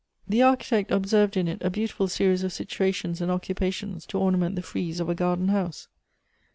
The Architect observed in it a beautiful se ries of situations and occupations to ornament the frieze of a garden house.